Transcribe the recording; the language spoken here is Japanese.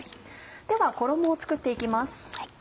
では衣を作って行きます。